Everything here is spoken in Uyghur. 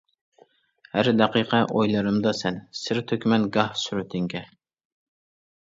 ھەر دەقىقە ئويلىرىمدا سەن، سىر تۆكىمەن گاھ سۈرىتىڭگە.